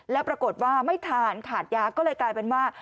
แล้วปรากฏว่าไม่ทานขาดยาก็เลยกลายเป็นว่า